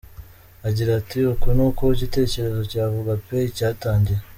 Agira ati “Uku ni ko igitekerezo cya VugaPay cyatangiye.